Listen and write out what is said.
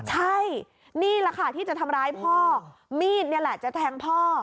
ใช่นี่แหละค่ะที่จะทำร้ายพ่อมีดนี่แหละจะแทงพ่อ